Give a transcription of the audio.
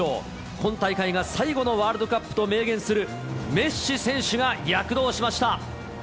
今大会が最後のワールドカップと明言するメッシ選手が躍動しました。